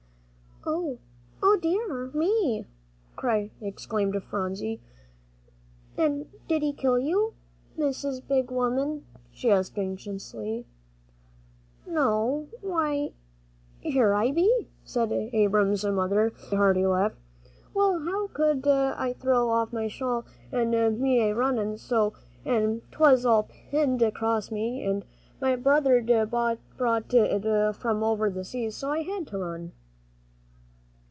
'" "O dear me!" exclaimed Phronsie. "An' did he kill you, Mrs. Big Woman?" she asked anxiously. "No; why here I be," said Abram's mother, with a hearty laugh. "Well, how could I throw off my shawl an' me a runnin' so, an' 'twas all pinned across me, an' my brother'd brought it from over seas. So I had to run."